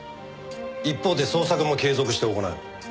一方で捜索も継続して行う。